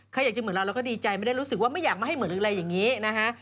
ใครอยากจะเหมือนเราเราก็ดีใจไม่ได้รู้สึกว่าไม่อยากมาให้เหมือนหรืออะไรอย่างนี้นะฮะ